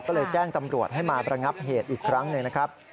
ก็เลยแจ้งตำรวจให้มาระงับเหตุอีกครั้งหนึ่งนะครับ